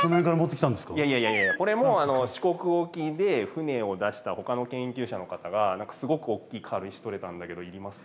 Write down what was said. いやいやこれも四国沖で船を出したほかの研究者の方が何かすごく大きい軽石採れたんだけどいりますか？